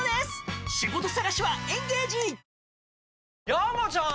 山ちゃん！